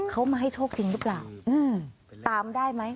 เขามาให้โชคจริงหรือเปล่าตามได้ไหม